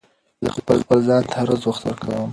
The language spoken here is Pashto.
زه خپل ځان ته هره ورځ وخت ورکوم.